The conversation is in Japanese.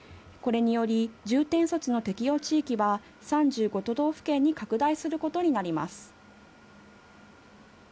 これにより、重点措置の適用地域は３５都道府県に拡大することになります。